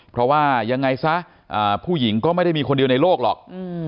เพราะว่ายังไงซะผู้หญิงก็ไม่ได้มีคนเดียวในโลกหรอก